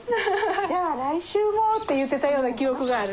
「じゃあ来週も」って言ってたような記憶がある。